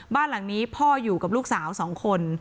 บ้านหลังนี้พ่ออยู่กับลูกสาว๒คน